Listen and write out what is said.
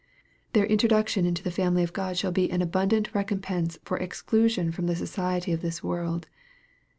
Their introduction into the family of God shall be an abundant recompense for ex clusion from the society of this world.